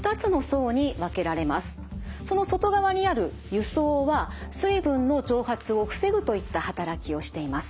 その外側にある油層は水分の蒸発を防ぐといった働きをしています。